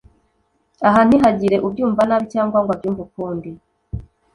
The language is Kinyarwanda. Aha ntihagire ubyumva nabi cyangwa ngo abyumve ukundi